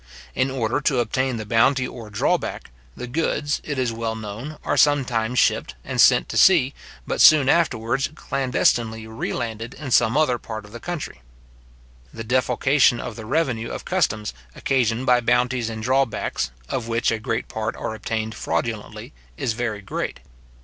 In order to obtain the bounty or drawback, the goods, it is well known, are sometimes shipped, and sent to sea, but soon afterwards clandestinely re landed in some other part of the country. The defalcation of the revenue of customs occasioned by bounties and drawbacks, of which a great part are obtained fraudulently, is very great.